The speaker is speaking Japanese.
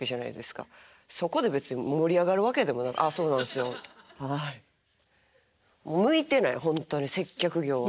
そこで別に盛り上がるわけでもなく「ああそうなんすよはい」。もう向いてないほんとに接客業は。